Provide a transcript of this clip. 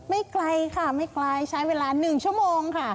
ไกลค่ะไม่ไกลใช้เวลา๑ชั่วโมงค่ะ